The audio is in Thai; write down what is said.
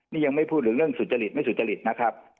นี่ยังไม่พูดถึงเรื่องสุจริตไม่สุจริตนะครับ